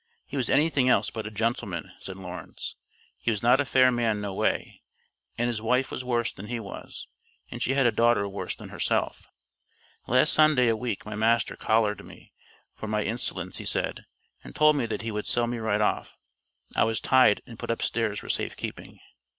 "He was anything else but a gentleman," said Lawrence. "He was not a fair man no way, and his wife was worse than he was, and she had a daughter worse than herself." "Last Sunday a week my master collared me, for my insolence he said, and told me that he would sell me right off. I was tied and put up stairs for safe keeping.